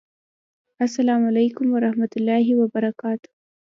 السلام علیکم ورحمة الله وبرکاته!